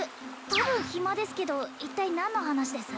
多分暇ですけど一体何の話です？